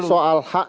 bukan soal hak